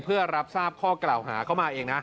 เพื่อรับทราบข้อกล่าวหาเข้ามาเองนะ